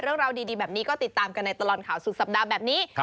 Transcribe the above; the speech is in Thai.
เรื่องราวดีแบบนี้ก็ติดตามกันในตลอดข่าวสุดสัปดาห์แบบนี้